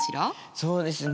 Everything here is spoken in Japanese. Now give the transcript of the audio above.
そうですね